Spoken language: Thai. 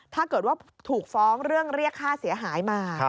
ถ้าเกิดว่าถูกฟ้องเรื่องเรียกค่าเสียหายมา